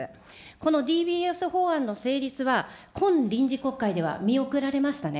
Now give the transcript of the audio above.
このＤＢＳ法案の成立は、今臨時国会では見送られましたね。